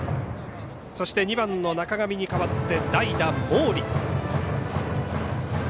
そして、２番の中上に代わって代打、毛利。